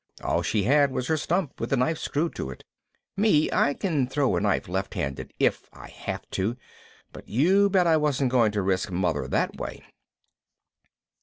All she had was her stump with the knife screwed to it. Me, I can throw a knife left handed if I have to, but you bet I wasn't going to risk Mother that way.